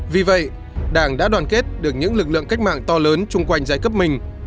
vì vậy đảng đã đoàn kết được những lực lượng cách mạng to lớn chung quanh giai cấp mình